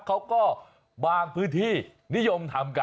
บางพื้นที่นิยมทำกัน